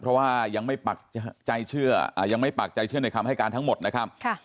เพราะว่ายังไม่ปากใจเชื่อในคำให้การทั้งหมดนะครับ